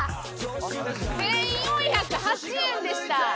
１４０８円でした。